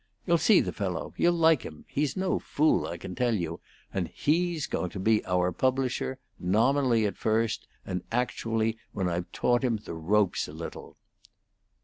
You'll see the fellow; you'll like him; he's no fool, I can tell you; and he's going to be our publisher, nominally at first and actually when I've taught him the ropes a little."